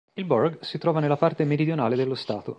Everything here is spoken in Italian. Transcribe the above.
Il borough si trova nella parte meridionale dello Stato.